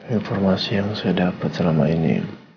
informasi yang saya dapat selama ini